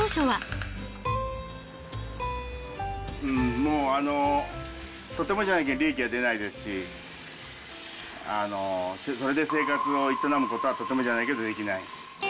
うーん、もう、とてもじゃないけど利益は出ないですし、それで生活を営むことはとてもじゃないけどできない。